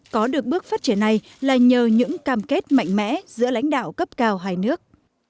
có được bước phát triển này là nhờ những cam kết mạnh mẽ giữa lãnh đạo cấp cao hai nước